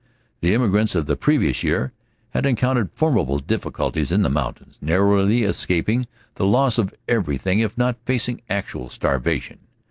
The immigrants of the previous year had encountered formidable difficulties in the mountains, narrowly escaping the loss of everything, if not facing actual starvation.